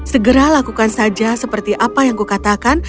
segera lakukan saja seperti apa yang aku katakan